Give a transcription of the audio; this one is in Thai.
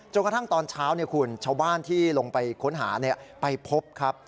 กระทั่งตอนเช้าคุณชาวบ้านที่ลงไปค้นหาไปพบครับ